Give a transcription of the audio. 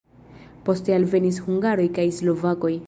Poste alvenis hungaroj kaj slovakoj.